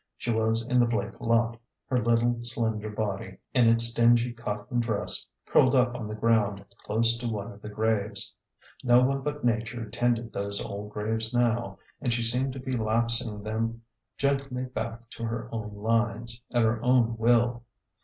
She was in the Blake lot, her little slender body, in its dingy cotton dress, curled up on the ground clos*e to one of the graves. No one but Nature tended those old graves now, and she seemed to be lapsing them gently back to her own lines, at her own will.